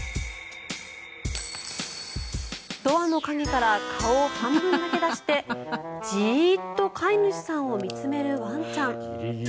ドアの陰から顔を半分だけ出してジーッと飼い主さんを見つめるワンちゃん。